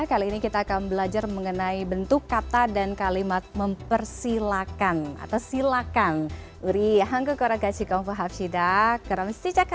kali ini kita akan belajar mengenai bentuk kata dan kalimat mempersilahkan atau silakan